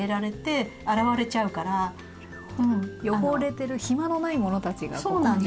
なるほど汚れてる暇のないものたちがここに。